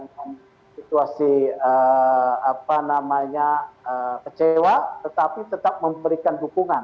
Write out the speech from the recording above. masih apa namanya kecewa tetapi tetap memberikan dukungan